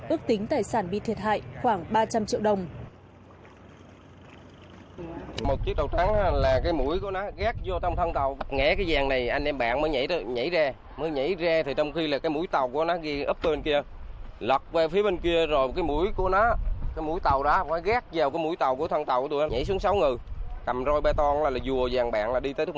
ước tính tài sản bị thiệt hại khoảng ba trăm linh triệu đồng